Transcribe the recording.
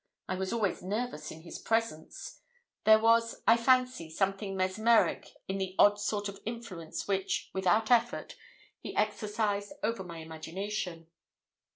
I was always nervous in his presence; there was, I fancy, something mesmeric in the odd sort of influence which, without effort, he exercised over my imagination.